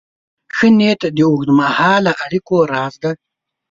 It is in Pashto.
ښه نیت د اوږدمهاله اړیکو راز دی.